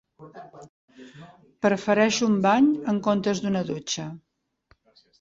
Prefereix un bany, en comptes d"una dutxa.